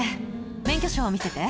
免許証を見せて。